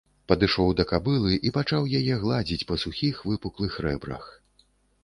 Падышоў да кабылы і пачаў яе гладзіць па сухіх выпуклых рэбрах.